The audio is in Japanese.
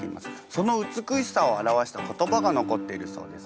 その美しさを表した言葉が残っているそうです。